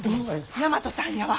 大和さんやわ。